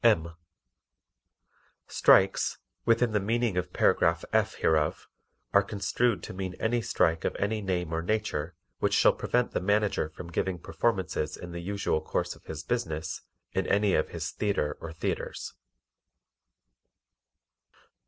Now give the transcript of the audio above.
M. Strikes, within the meaning of Paragraph F hereof, are construed to mean any strike of any name or nature which shall prevent the Manager from giving performances in the usual course of his business in any of his theatre or theatres.